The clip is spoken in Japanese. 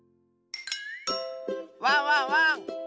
ワンワンワン！